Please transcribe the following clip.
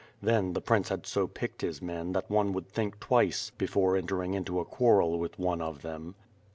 Then the Prince had so picked his men that one would think twice before entering into a quarrel with one of them.